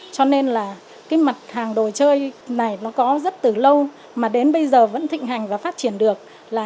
cho nên là cái mặt hàng đồ chơi này nó có rất từ lâu mà đến bây giờ vẫn thịnh hành và phát triển được